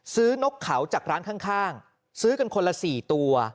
นกเขาจากร้านข้างซื้อกันคนละ๔ตัว